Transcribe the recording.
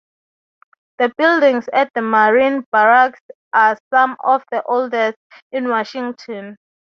The buildings at the Marine Barracks are some of the oldest in Washington.